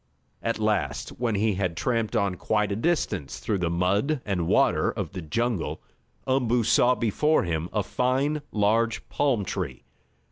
At last, when he had tramped on quite a distance through the mud and water of the jungle, Umboo saw before him a fine, large palm tree.